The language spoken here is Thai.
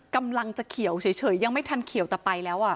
กำลังจะเขียวเฉยยังไม่ทันเขียวแต่ไปแล้ว